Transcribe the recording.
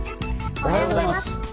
おはようございます。